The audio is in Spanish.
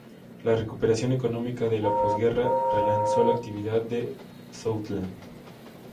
La recuperación económica de la posguerra relanzó la actividad de "Southland".